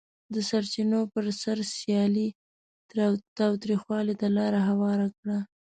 د سرچینو پر سر سیالي تاوتریخوالي ته لار هواره کړه.